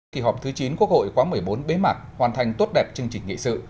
kỳ họp thứ chín quốc hội quá một mươi bốn bế mạc hoàn thành tốt đẹp chương trình nghị sự